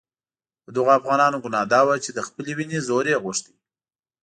د دغو افغانانو ګناه دا وه چې د خپلې وینې زور یې غوښت.